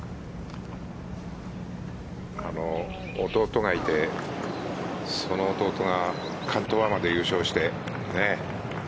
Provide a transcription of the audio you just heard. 弟がいてその弟が関東アマで優勝して。